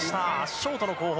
ショートの後方。